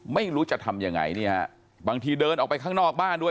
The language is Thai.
ไม่รู้จะทำยังไงนี่ฮะบางทีเดินออกไปข้างนอกบ้านด้วย